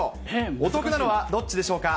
お得なのはどっちでしょうか。